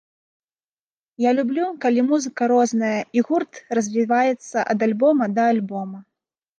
Я люблю, калі музыка розная і гурт развіваецца ад альбома да альбома.